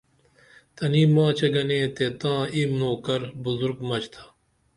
تنی ماچے گنے تے تاں ای نوکر بزرگ مچ تھا